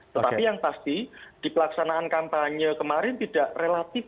tetapi yang pasti di pelaksanaan kampanye kemarin tidak relatif